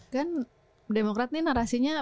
kan demokrat ini narasinya